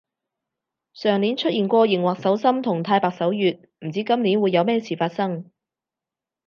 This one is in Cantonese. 上年出現過熒惑守心同太白守月，唔知今年會有咩事發生